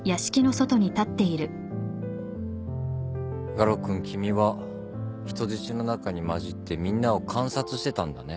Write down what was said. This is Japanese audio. ガロ君君は人質の中に交じってみんなを観察してたんだね。